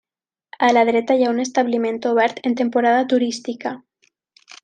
A la dreta hi ha un establiment obert en temporada turística.